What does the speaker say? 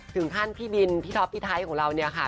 พี่บินพี่ท็อปพี่ไทยของเราเนี่ยค่ะ